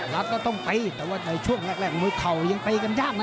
รัฐก็ต้องตีแต่ว่าในช่วงแรกมวยเข่ายังตีกันยากนะ